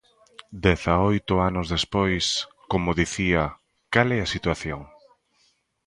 Dezaoito anos despois, como dicía, ¿cal é a situación?